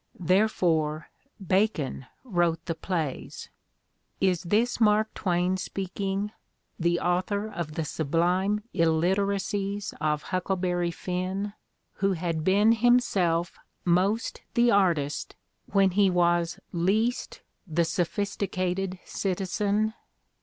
— therefore. Bacon wrote the plays. Is this Mark Twain speaking, the author of the sublime illiteracies of "Huckleberry Finn," who had been himself most the artist when he was least the sophisticated citizen